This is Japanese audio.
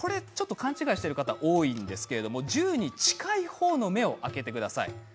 勘違いしている方多いと思うんですけれども銃に近い方の目を開けてください。